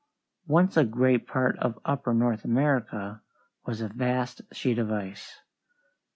Once a great part of upper North America was a vast sheet of ice.